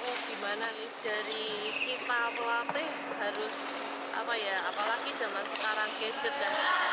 oh gimana dari kita pelatih harus apalagi zaman sekarang kece dan semacam